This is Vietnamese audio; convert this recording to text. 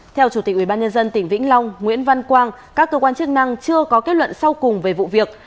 theo chủ tịch ubnd tỉnh vĩnh long nguyễn văn quang các cơ quan chức năng chưa có kết luận sau cùng về vụ việc